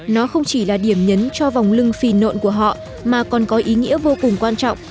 nó không chỉ là điểm nhấn cho vòng lưng phì nộn của họ mà còn có ý nghĩa vô cùng quan trọng